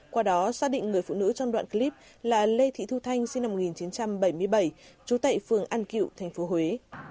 qua đó xác định người phụ nữ trong đoạn clip là lê thị thu thanh sinh năm một nghìn chín trăm bảy mươi bảy trú tại phường an kiệu tp huế